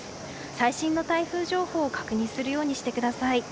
最新の台風情報を確認するようにしてください。